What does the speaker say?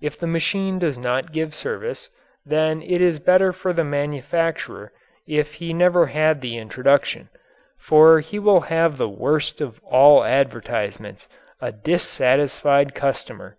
If the machine does not give service, then it is better for the manufacturer if he never had the introduction, for he will have the worst of all advertisements a dissatisfied customer.